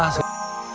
yang kamu pak